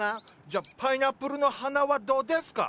じゃパイナップルの花はどうデスカ？